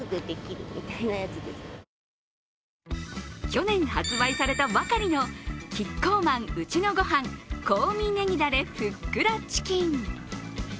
去年発売されたばかりのキッコーマンうちのごはん香味ねぎだれふっくらチキン。